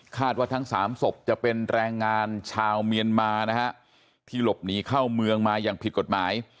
ว่าทั้งสามศพจะเป็นแรงงานชาวเมียนมานะฮะที่หลบหนีเข้าเมืองมาอย่างผิดกฎหมาย